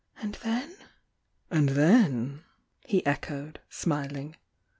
"And then?" "And then?" he echoed, smiling.